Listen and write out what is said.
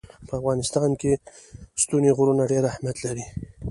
په افغانستان کې ستوني غرونه ډېر اهمیت لري.